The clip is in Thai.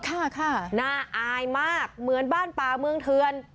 ค่ะค่ะน่าอายมากเหมือนบ้านป่าเมืองเทือน